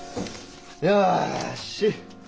よし！